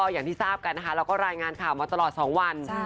อย่างที่ทราบค่ะเราก็รายงานค่ะเมื่อตลอดสองวัน